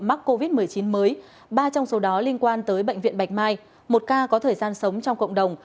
mắc covid một mươi chín mới ba trong số đó liên quan tới bệnh viện bạch mai một ca có thời gian sống trong cộng đồng